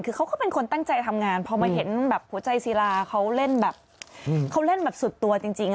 คือเขาก็เป็นคนตั้งใจทำงานพอมาเห็นแบบหัวใจศิลาเขาเล่นแบบเขาเล่นแบบสุดตัวจริง